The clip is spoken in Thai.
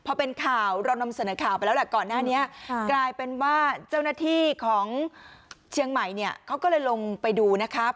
พอเป็นข่าวเรานำเสนอข่าวไปแล้วแหละก่อนหน้านี้กลายเป็นว่าเจ้าหน้าที่ของเชียงใหม่เนี่ยเขาก็เลยลงไปดูนะครับ